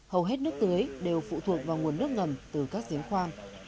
hầu hết nước tưới đều phụ thuộc vào nguồn nước ngầm từ các giếng khoan